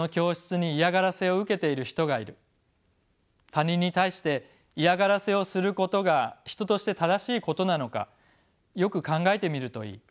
他人に対して嫌がらせをすることが人として正しいことなのかよく考えてみるといい」。